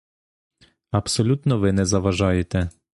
Абсолютно ви не заважаєте.